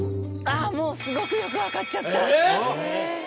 すごくよく分かっちゃった。